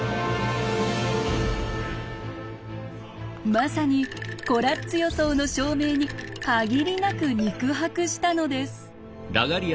まさにコラッツ予想の証明に限りなく肉薄したのです。